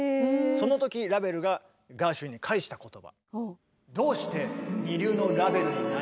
その時ラヴェルがガーシュウィンに返した言葉。